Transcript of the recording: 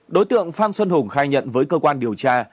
đối tượng phan xuân hùng khai nhận với cơ quan điều tra